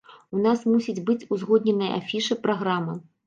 У нас мусіць быць узгодненая афіша, праграма.